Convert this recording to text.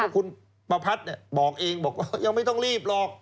คุณปภัทรบอกเองยังไม่ต้องรีบหรอก